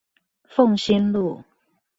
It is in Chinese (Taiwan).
鳳新路